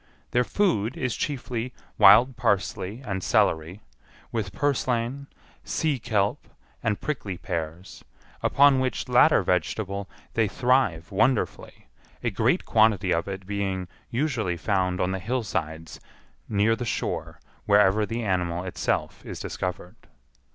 Their food is chiefly wild parsley and celery, with purslain, sea kelp, and prickly pears, upon which latter vegetable they thrive wonderfully, a great quantity of it being usually found on the hillsides near the shore wherever the animal itself is discovered.